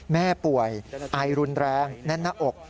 แม่ป่วยไอรุนแรงแน่นหน้าอก